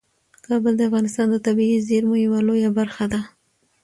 کابل د افغانستان د طبیعي زیرمو یوه لویه برخه ده.